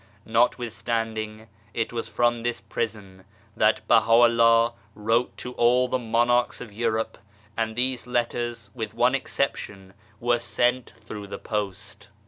Notwith standing, it was from this prison that Baha'u'llah wrote to all the Monarchs of Europe, and these letters with one exception were sent through the post.